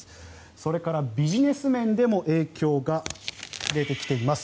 それからビジネス面でも影響が出てきています。